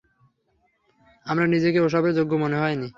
আমার নিজেকে ওসবের যোগ্য মনে হয়নি।